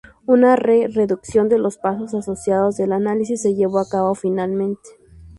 Una re-reducción de los pasos asociados del análisis se llevó a cabo finalmente.